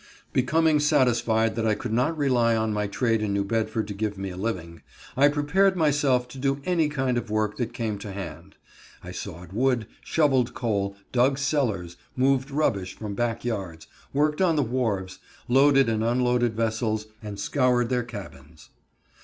Becoming satisfied that I could not rely on my trade in New Bedford to give me a living, I prepared myself to do any kind of work that came to hand. I sawed wood, shoveled coal, dug cellars, moved rubbish from back yards, worked on the wharves, loaded and unloaded vessels, and scoured their cabins.